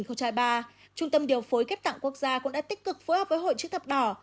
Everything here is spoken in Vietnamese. trung tâm điều phối ghép tạng quốc gia cũng đã tích cực phối hợp với hội chức thập đỏ